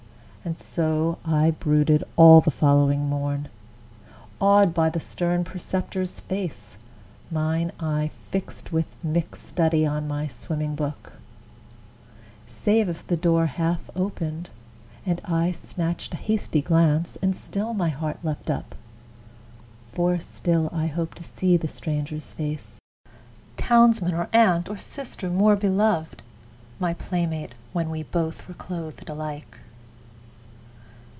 And so I brooded all the following morn, Awed by the stern preceptor's face, mine eye Fixed with mick study on my swimming book: Save if the door half opened, and I snatched A hasty glance, and still my heart leaped up, For still I hoped to see the stranger's face, Townsman, or aunt, or sister more beloved, My play mate when we both were clothed alike!